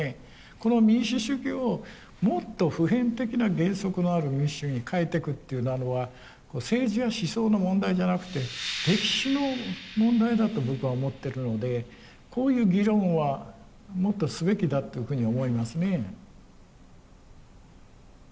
この民主主義をもっと普遍的な原則のある民主主義に変えていくっていうなのは政治や思想の問題じゃなくて歴史の問題だと僕は思ってるのでこういう議論はもっとすべきだっていうふうに思いますね。